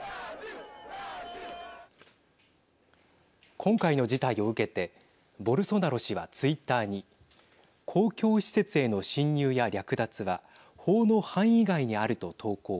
今回の事態を受けてボルソナロ氏はツイッターに公共施設への侵入や略奪は法の範囲外にあると投稿。